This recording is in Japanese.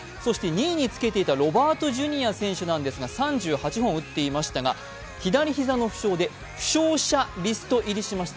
２位につけていたロバート・ジュニア選手ですが３８本打っていましたが、左膝の負傷で負傷者リスト入りしました。